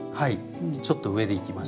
ちょっと上でいきましょうか。